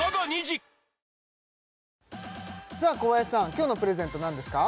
今日のプレゼント何ですか？